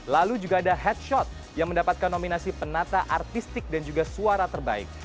lalu juga ada headshot yang mendapatkan nominasi penata artistik dan juga suara terbaik